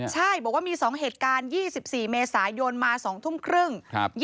ใช่บอกว่ามี๒เหตุการณ์๒๔เมษายนมา๒ทุ่มครึ่ง